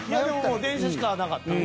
電車しかなかった。